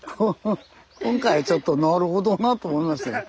今回はちょっとなるほどなと思いましたよ。